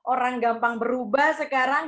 orang gampang berubah sekarang